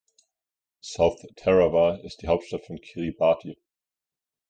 South Tarawa ist die Hauptstadt von Kiribati.